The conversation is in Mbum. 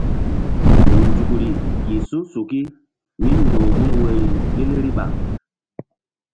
Nzukri yih su̧suki míndoh mun woyri riɓa.